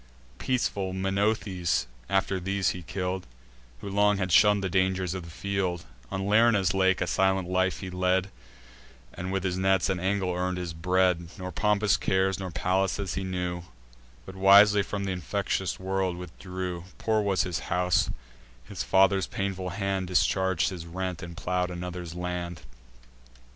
Peaceful Menoetes after these he kill'd, Who long had shunn'd the dangers of the field: On Lerna's lake a silent life he led, And with his nets and angle earn'd his bread; Nor pompous cares, nor palaces, he knew, But wisely from th' infectious world withdrew: Poor was his house; his father's painful hand Discharg'd his rent, and plow'd another's land.